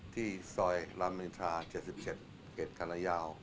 ที่ซอยรามณิวนิธรา๗๗เกตถย